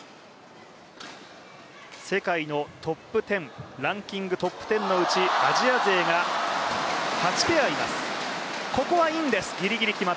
世界のランキングトップ１０のうちアジア勢が８ペアいます。